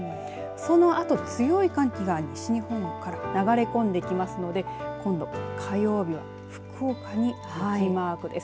そのあと強い寒気が西日本から流れ込んできますので今度、火曜日は福岡に雪マークです。